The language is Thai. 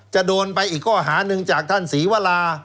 จะโดนไปอีกข้อหาหนึ่งจากท่านศรีวรา